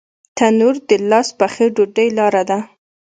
تنور د لاس پخې ډوډۍ لاره ده